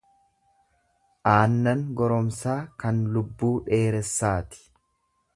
Aannan goromsaa kan lubbuu dheeressaati.